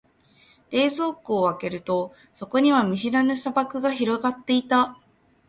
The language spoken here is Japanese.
冷蔵庫を開けると、そこには見知らぬ砂漠が広がっていた。